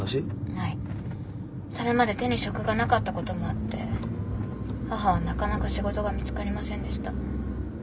はいそれまで手に職がなかったこともあって母はなかなか仕事が見つかりませんでした。